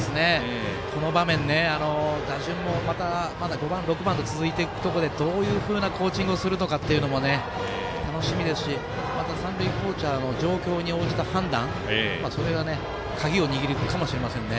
この場面、打順もまだ５番、６番と続いていくところでどういうふうなコーチングをするのかというのも楽しみですしまた三塁コーチャーの状況に応じた判断が鍵を握るかもしれませんね。